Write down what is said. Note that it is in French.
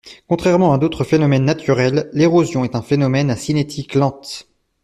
Contrairement à d’autres phénomènes naturels, l’érosion est un phénomène à cinétique lente.